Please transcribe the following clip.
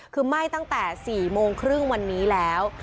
คือไหม้ตั้งแต่๔โมงครึ่งวันนี้แล้ว